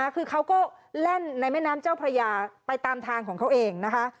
คือเขาก็แล่นในแม่น้ำเจ้าพระยาไปตามทางของเขาเองนะคะ